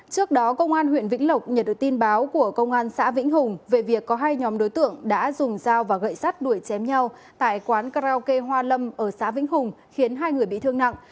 trước đó công an huyện vĩnh lộc nhận được tin báo của công an xã vĩnh hùng về việc có hai nhóm đối tượng đã dùng dao và gậy sắt đuổi chém nhau tại quán karaoke hoa lâm ở xã vĩnh hùng khiến hai người bị thương nặng